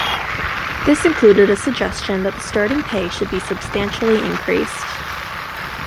This included a suggestion that the starting pay should be substantially increased.